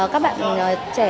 các bạn trẻ